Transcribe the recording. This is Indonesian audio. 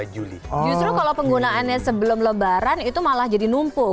justru kalau penggunaannya sebelum lebaran itu malah jadi numpuk